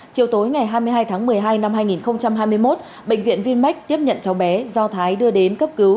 chiều tối ngày hai mươi hai tháng một mươi hai năm hai nghìn hai mươi một bệnh viện vinmec tiếp nhận cháu bé do thái đưa đến cấp cứu